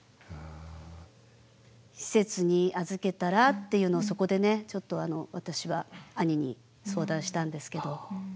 施設に預けたらっていうのをそこでねちょっと私は兄に相談したんですけど。